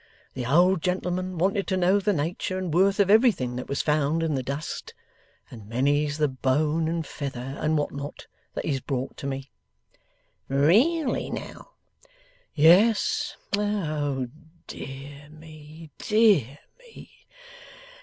The old gentleman wanted to know the nature and worth of everything that was found in the dust; and many's the bone, and feather, and what not, that he's brought to me.' 'Really, now!' 'Yes. (Oh dear me, dear me!)